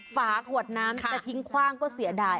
ฝาขวดน้ำจะทิ้งคว่างก็เสียดาย